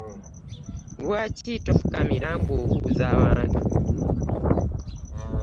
Lwaki tofukamira nga obuuza abantu?